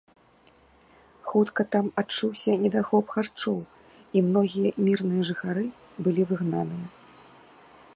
Хутка там адчуўся недахоп харчоў, і многія мірныя жыхары былі выгнаныя.